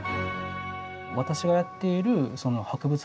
私がやっている博物学。